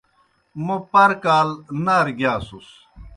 موْ پر کال نارہ گِیاسُس۔